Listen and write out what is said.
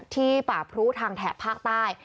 ที่ป่าพรุทางแถบภาคใต้